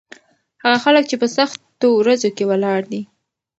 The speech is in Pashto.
هغه خلک چې په سختو ورځو کې ولاړ دي.